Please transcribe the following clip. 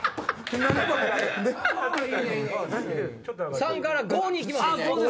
３から５に行きますね。